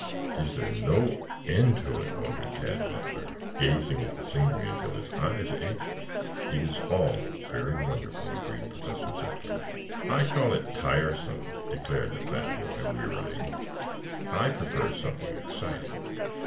"Is there no end to it?" wondered Tad Butler, gazing at the scenery until his eyes ached. "It is all very wonderful," agreed Professor Zepplin. "I call it tiresome," declared the fat boy wearily. "I prefer something exciting."